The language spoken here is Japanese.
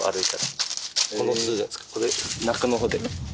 これ中のほうで。